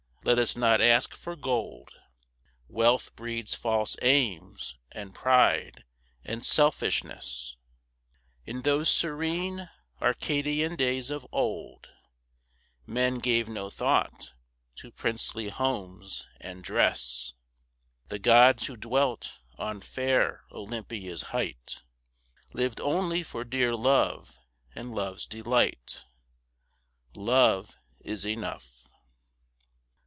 Let us not ask for gold. Wealth breeds false aims, and pride, and selfishness; In those serene, Arcadian days of old Men gave no thought to princely homes and dress. The gods who dwelt on fair Olympia's height Lived only for dear love and love's delight. Love is enough.